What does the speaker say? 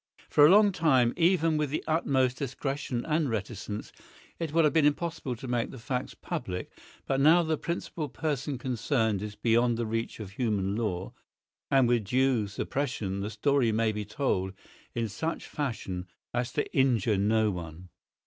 For a long time, even with the utmost discretion and reticence, it would have been impossible to make the facts public; but now the principal person concerned is beyond the reach of human law, and with due suppression the story may be told in such fashion as to injure no one.